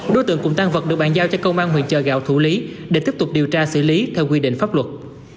đối tượng cũng tăng vật được bàn giao cho công an huyện trà gào thủ lý để tiếp tục điều tra xử lý theo quy định pháp luật